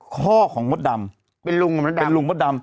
พ่อของมดดำเป็นลุงมดดำเป็นลุงมดดำ